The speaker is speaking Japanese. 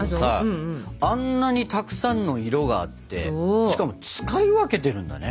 あんなにたくさんの色があってしかも使い分けてるんだね。